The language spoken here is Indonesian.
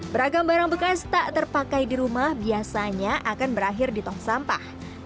beragam barang bekas tak terpakai di rumah biasanya akan berakhir di tong sampah